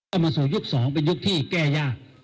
เอามาสู่ยุค๒เป็นยุคที่แก้ยาก